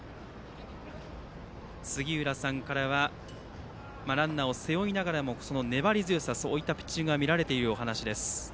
杉浦さんからはランナーを背負いながらも粘り強さといったピッチングが見られているというお話です。